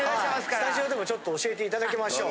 スタジオでもちょっと教えていただきましょう。